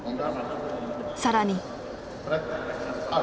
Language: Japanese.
更に。